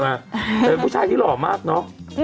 แต่เป็นผู้ชายที่หล่อมากเนอะ